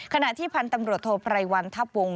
ขณะที่พันธุ์ตำรวจโทไพรวันทัพวง